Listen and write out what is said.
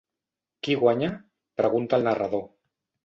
«Qui guanya?», pregunta el narrador.